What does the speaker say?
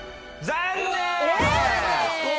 残念！